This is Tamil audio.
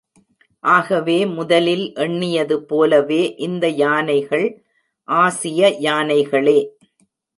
ஆகவே முதலில் எண்ணியது போலவே இந்த யானைகள் ஆசிய யானைகளே.